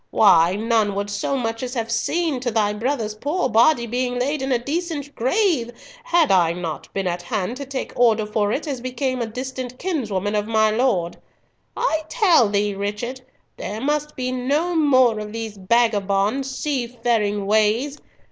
Why, none would so much as have seen to thy brother's poor body being laid in a decent grave had not I been at hand to take order for it as became a distant kinsman of my lord. I tell thee, Richard, there must be no more of these vagabond seafaring ways.